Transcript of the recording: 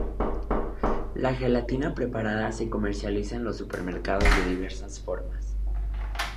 La gelatina preparada se comercializa en los supermercados de diversas formas.